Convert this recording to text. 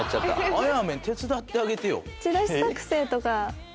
あやめん手伝ってあげてよ。